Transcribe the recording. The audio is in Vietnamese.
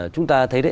chúng ta thấy đấy